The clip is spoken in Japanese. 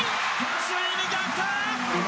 ついに逆転！